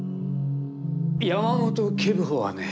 山本警部補はね